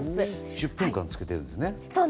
１０分間浸けてるんですね